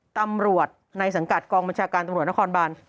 ตำรวจในสังกัดกองบัญชาการตำรวจนครบาน